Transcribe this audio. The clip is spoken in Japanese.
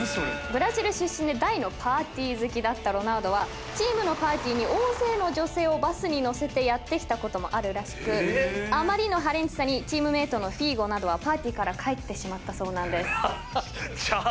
ブラジル出身で大のパーティー好きだったロナウドはチームのパーティーに大勢の女性をバスに乗せてやって来たこともあるらしくあまりの破廉恥さにチームメートのフィーゴなどはパーティーから帰ってしまったそうなんです。